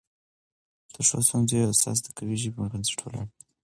د ښو ښوونځیو اساس د قوي ژبې پر بنسټ ولاړ وي.